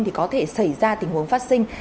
thì có thể xảy ra tình huống phát sinh